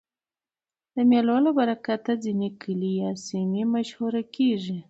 د مېلو له برکته ځيني کلي یا سیمې مشهوره کېږي.